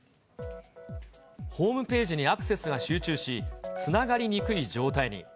ホームページにアクセスが集中し、つながりにくい状態に。